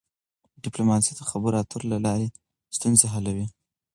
ډيپلوماسي د خبرو اترو له لارې ستونزې حلوي.